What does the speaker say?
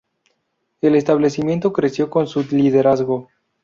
El establecimiento creció con su liderazgo.